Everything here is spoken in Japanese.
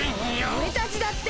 おれたちだって！